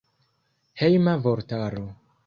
Hejma vortaro.